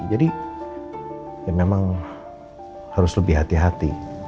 jadi ya memang harus lebih hati hati